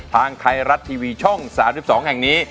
ทางไทยรัฐทีวีช่อง๓๒แห่งนี้